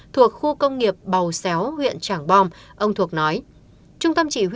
thuộc khu công nghiệp bầu xéo huyện trảng bom ông thuộc nói